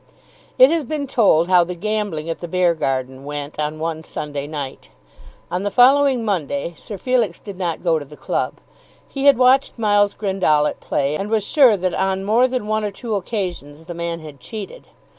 It has been told how the gambling at the Beargarden went on one Sunday night. On the following Monday Sir Felix did not go to the club. He had watched Miles Grendall at play, and was sure that on more than one or two occasions the man had cheated.